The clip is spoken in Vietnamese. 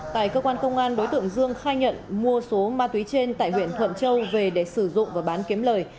tại cơ quan công an đối tượng dương khai nhận mua số ma túy trên tại huyện thuận châu về để sử dụng và bán kiếm lời